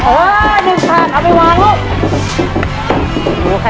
โอ้ยหนึ่งถัดเอาไปวางลูก